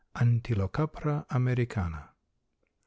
(_Antilocapra americana.